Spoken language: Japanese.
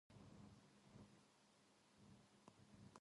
The sun rises in the east and sets in the west.